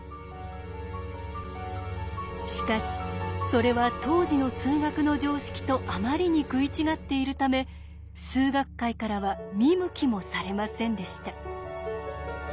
しかしそれは当時の数学の常識とあまりに食い違っているため数学界からは見向きもされませんでした。